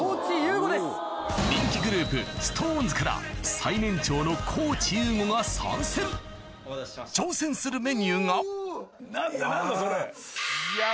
人気グループＳｉｘＴＯＮＥＳから最年長のが参戦挑戦するメニューがいや。